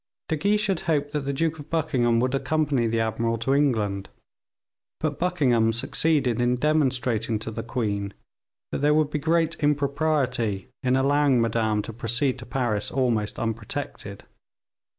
De Guiche had hoped that the Duke of Buckingham would accompany the admiral to England; but Buckingham succeeded in demonstrating to the queen that there would be great impropriety in allowing Madame to proceed to Paris, almost unprotected.